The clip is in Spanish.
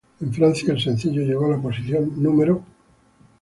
En Francia, el sencillo llegó a la posición No°.